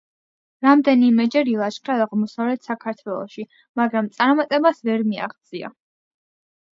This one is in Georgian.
რამდენიმეჯერ ილაშქრა აღმოსავლეთ საქართველოში, მაგრამ წარმატებას ვერ მიაღწია.